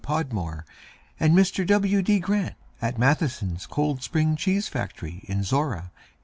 Podmore and Mr. W. D. Grant at Matheson's Cold Spring Cheese Factory in Zorra, 1888.